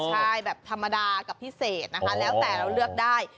ใช่แบบธรรมดากับพิเศษนะคะแล้วแต่เราเลือกได้